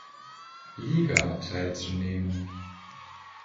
Liga teilzunehmen.